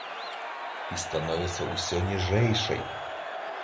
І становіцца ўсё ніжэйшай.